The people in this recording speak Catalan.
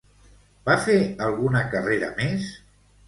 Va fer alguna carrera més?